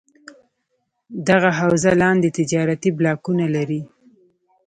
دغه حوزه لاندې تجارتي بلاکونه لري: